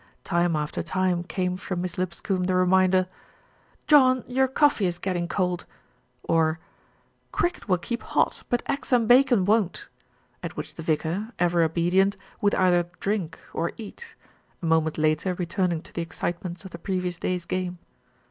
Time after time came from Miss Lipscombe the reminder, "John, your coffee is getting cold," or "Cricket will keep hot; but eggs and bacon won't," at which the vicar, ever obedient, would either drink, or eat, a moment later returning to the excitements of the previous day's game.